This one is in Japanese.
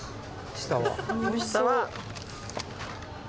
下は。